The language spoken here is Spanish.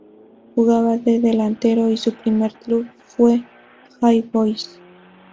Jugaba de delantero y su primer club fue All Boys.